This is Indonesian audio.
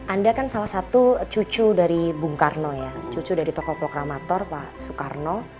anda kan salah satu cucu dari bung karno ya cucu dari tokoh proklamator pak soekarno